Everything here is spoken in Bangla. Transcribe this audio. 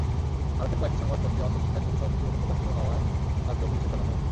ভারতের কয়েকটি সংবাদপত্রে অস্ত্রশিক্ষার ছবিসহ প্রতিবেদন প্রকাশিত হওয়ায় রাজ্য পুলিশের টনক নড়েছে।